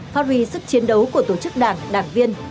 phát huy sức chiến đấu của tổ chức đảng đảng viên